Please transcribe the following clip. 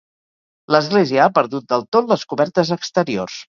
L'església ha perdut del tot les cobertes exteriors.